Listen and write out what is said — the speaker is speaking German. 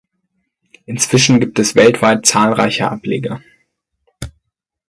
Inzwischen gibt es weltweit zahlreiche Ableger.